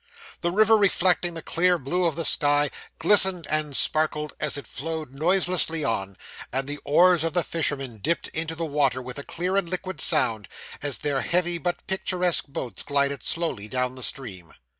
The river, reflecting the clear blue of the sky, glistened and sparkled as it flowed noiselessly on; and the oars of the fishermen dipped into the water with a clear and liquid sound, as their heavy but picturesque boats glided slowly down the stream.